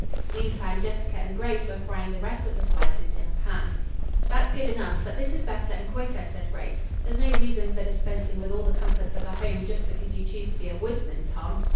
Meantime, Jessica and Grace were frying the rest of the slices in a pan. "That's good enough, but this is better and quicker," said Grace. "There's no reason for dispensing with all the comforts of a home just because you choose to be a woodsman, Tom."